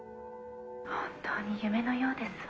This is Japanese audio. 「本当に夢のようですわ」。